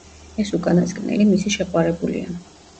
ეს უკანასკნელი მისი შეყვარებულია.